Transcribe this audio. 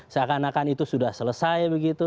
seakan akan itu sudah selesai begitu